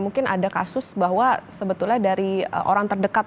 mungkin ada kasus bahwa sebetulnya dari orang terdekat